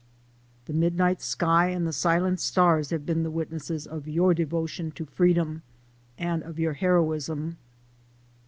The midnight sky and the silent stars have been the witnesses of your de votion to freedom and of your heroism.